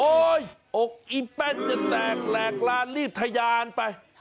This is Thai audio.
อกอีแป้นจะแตกแหลกลานรีบทะยานไป